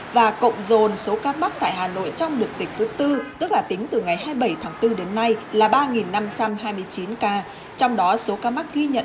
và cộng dồn số ca mắc tại hà nội trong đợt dịch thứ bốn là ba năm trăm hai mươi chín ca trong đó số ca mắc ghi nhận